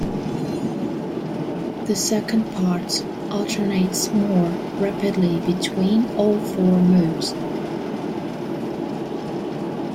The second part alternates more rapidly between all four modes.